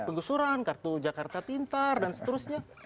penggusuran kartu jakarta pintar dan seterusnya